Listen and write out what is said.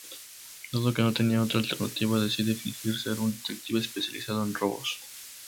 Dado que no tenía otra alternativa decide fingir ser un detective especializado en robos.